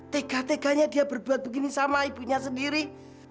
tegak tegaknya dia berbuat begini sama ibunya sendiri